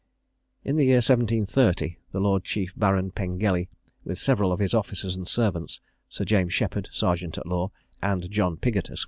In the year 1730, the Lord Chief Baron Pengelly, with several of his officers and servants; Sir James Sheppard, sergeant at law; and John Pigot, Esq.